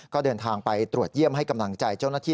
ก็เดินทางไปตรวจเยี่ยมให้กำลังใจเจ้าหน้าที่